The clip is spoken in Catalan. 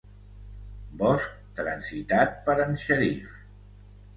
Bosc transitat per en Shariff.